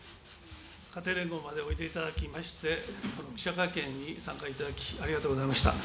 本日は家庭連合までおいでいただきまして、記者会見にご参加いただき、ありがとうございました。